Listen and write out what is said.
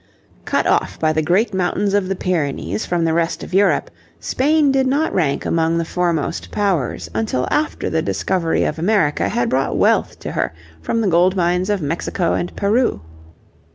Cut off by the great mountains of the Pyrenees from the rest of Europe, Spain did not rank among the foremost powers until after the discovery of America had brought wealth to her from the gold mines of Mexico and Peru.